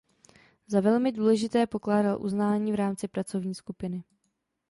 Za velmi důležité pokládal uznání v rámci pracovní skupiny.